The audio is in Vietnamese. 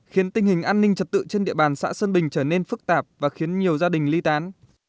khiến tình hình an ninh trật tự trên địa bàn xã sơn bình trở nên phức tạp và khiến nhiều gia đình ly tán